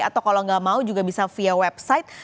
atau kalau nggak mau juga bisa via website